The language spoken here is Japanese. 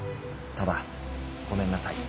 ただごめんなさい。